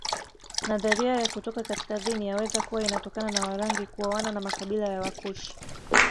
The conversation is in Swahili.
Nadharia ya kutoka kaskazini yaweza kuwa inatokana na Warangi kuoana na makabila ya Wakushi